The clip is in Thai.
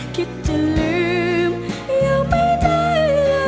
คิดจะลืมยังไม่ได้